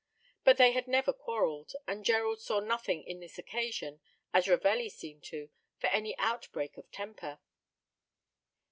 But they had never quarreled, and Gerald saw nothing in this occasion, as Ravelli seemed to, for any outbreak of temper.